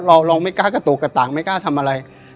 เราไม่กล้ากระตุกกระต่างไม่กล้าทำอะไร